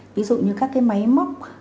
ví dụ như các cái máy móc